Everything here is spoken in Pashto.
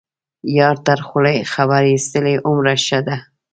یار تر خولې خبر یستلی هومره ښه ده.